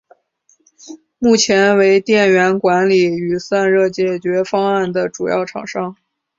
目前为电源管理与散热解决方案的主要厂商。